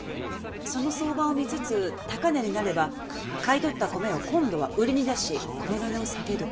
その相場を見つつ高値になれば買い取った米を今度は売りに出し米の値を下げる。